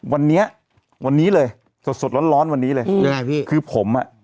วันนี้วันนี้เลยสดสดร้อนร้อนวันนี้เลยยังไงพี่คือผมอ่ะ